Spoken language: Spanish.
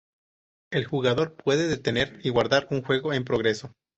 El jugador puede detener y guardar un juego en progreso.